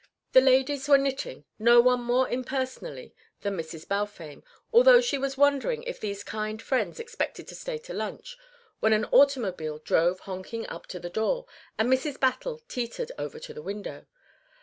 The ladies were knitting, no one more impersonally than Mrs. Balfame, although she was wondering if these kind friends expected to stay to lunch, when an automobile drove honking up to the door, and Mrs. Battle teetered over to the window.